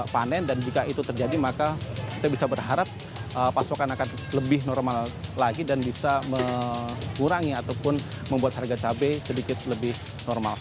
panen dan jika itu terjadi maka kita bisa berharap pasokan akan lebih normal lagi dan bisa mengurangi ataupun membuat harga cabai sedikit lebih normal